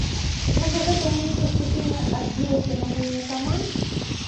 Можа гэта ў нейкай ступені адбілася на гульне каманд.